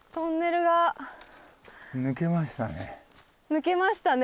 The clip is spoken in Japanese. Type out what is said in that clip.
抜けましたね。